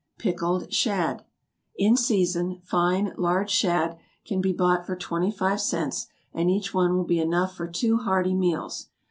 =Pickled Shad.= In season fine large shad can be bought for twenty five cents, and each one will be enough for two hearty meals.